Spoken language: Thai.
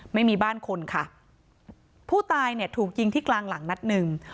ไม่มีบ้านคนค่ะผู้ตายเนี่ยถูกยิงที่กลางหลังนัดหนึ่ง